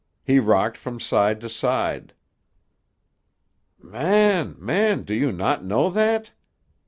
He rocked from side to side. "Man, man! Do you not know that?